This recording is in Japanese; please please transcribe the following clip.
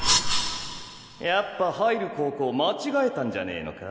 やっぱ入る高校間違えたんじゃねぇのか？